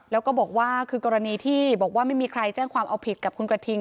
แล้วก็บอกว่าคือกรณีที่บอกว่าไม่มีใครแจ้งความเอาผิดกับคุณกระทิง